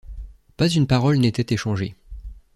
Pas une parole n’était échangée.